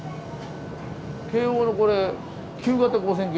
京王のこれ旧型５０００形です。